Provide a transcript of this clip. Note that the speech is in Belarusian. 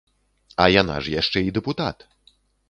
А яна ж яшчэ і дэпутат.